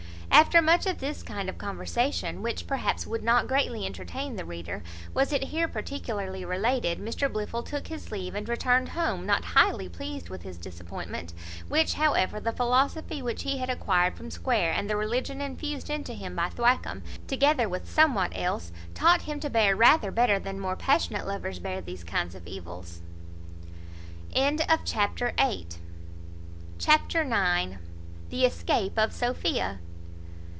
After much of this kind of conversation, which, perhaps, would not greatly entertain the reader, was it here particularly related, Mr Blifil took his leave and returned home, not highly pleased with his disappointment: which, however, the philosophy which he had acquired from Square, and the religion infused into him by Thwackum, together with somewhat else, taught him to bear rather better than more passionate lovers bear these kinds of evils. Chapter ix. The escape of Sophia.